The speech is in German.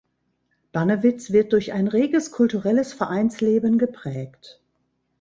Bannewitz wird durch ein reges kulturelles Vereinsleben geprägt.